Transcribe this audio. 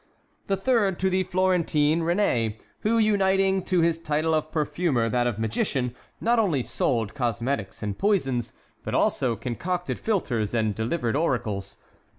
The third to the Florentine Réné, who, uniting to his title of perfumer that of magician, not only sold cosmetics and poisons, but also concocted philters and delivered oracles.